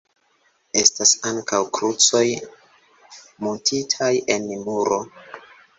Estas ankaŭ krucoj muntitaj en muro.